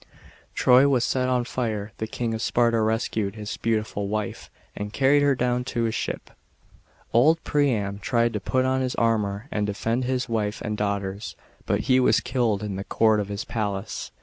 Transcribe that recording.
Troy was set on fire, the King of Sparta rescued hi& beautiful wife and carried her down to his ship. Old Priam tried to put on his armour and defend his wife and daughters, but he was killed in the court of his palace.